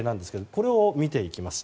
これを見ていきます。